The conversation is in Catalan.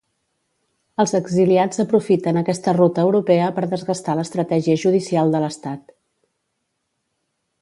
Els exiliats aprofiten aquesta ruta europea per desgastar l'estratègia judicial de l'Estat.